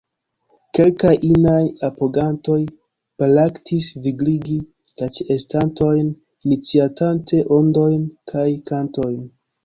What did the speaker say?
Kelkaj inaj apogantoj baraktis vigligi la ĉeestantojn, iniciatante ondojn kaj kantojn.